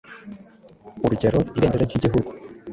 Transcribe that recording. Urugero: Ibendera ry’Igihugu.